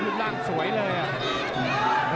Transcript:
ลูกรางสวยเลยอะ